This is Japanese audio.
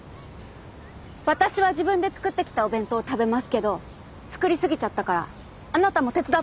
私は自分で作ってきたお弁当を食べますけど作り過ぎちゃったからあなたも手伝って。